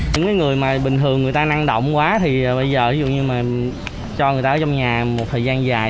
những người mà bình thường người ta năng động quá thì bây giờ dường như mà cho người ta ở trong nhà một thời gian dài